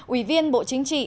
ủy viên bộ chính trị